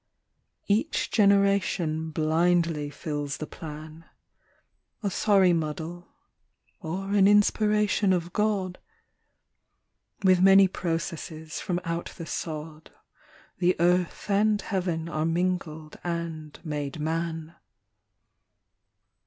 Each generation blindly fills the plan, A sorry muddle or an inspiration of God ; With many processes from out the sod, The Earth and Heaven are mingled and made man.